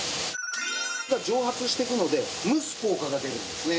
が蒸発していくので蒸す効果が出るんですね。